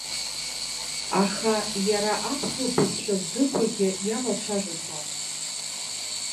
Аха, иара аԥсуа бызшәа здыруагьы иалацәажәаӡом.